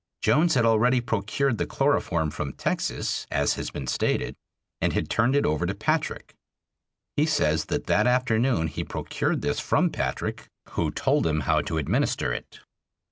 Jones had already procured the chloroform from Texas, as has been stated, and had turned it over to Patrick. He says that that afternoon he procured this from Patrick, who told him how to administer it.